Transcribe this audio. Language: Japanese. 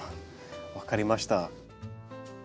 分かりました。